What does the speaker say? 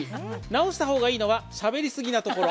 直したほうがいいのはしゃべりすぎなところ。